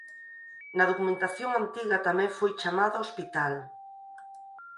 Na documentación antiga tamén foi chamada hospital.